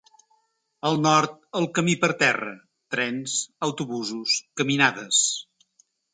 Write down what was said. Al nord, el camí per terra: trens, autobusos, caminades.